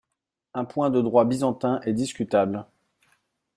Un point de droit byzantin est discutable.